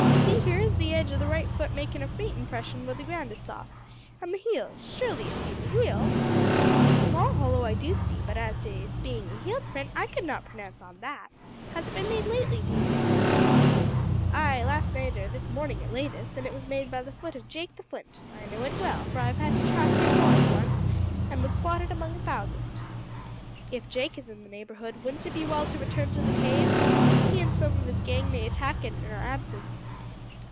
See, here is the edge o' the right futt making a faint impression where the ground is soft an' the heel; surely ye see the heel!" "A small hollow I do see, but as to its being a heel print I could not pronounce on that. Has it been made lately, think you?" "Ay, last night or this morning at latest; and it was made by the futt of Jake the Flint. I know it well, for I've had to track him more than once an' would spot it among a thousand." "If Jake is in the neighbourhood, wouldn't it be well to return to the cave? He and some of his gang might attack it in our absence."